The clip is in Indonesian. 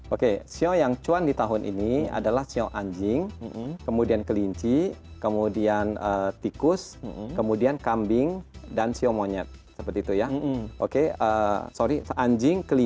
oke sio yang cuan di tahun ini adalah sio anjing kemudian kelinci kemudian tikus kemudian kambing dan sio monyet seperti itu ya oke